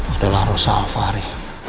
adalah rusa alfari